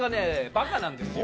バカなんですよ。